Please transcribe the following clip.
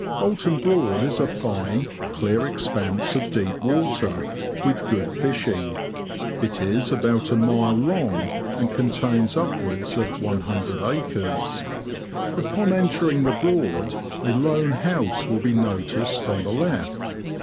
Oulton Broad is a fine, clear expanse of deep water, with good fishing ; it is about a mile long, and contains upwards of lOO acres. Upon entering the Broad, a lone house will be noticed on the left.